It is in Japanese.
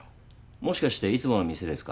もしかしていつもの店ですか？